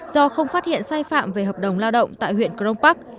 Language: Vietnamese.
do không phát hiện sai phạm về hợp đồng lao động tại huyện crong park